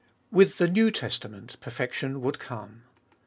With the New Testament perfection would come.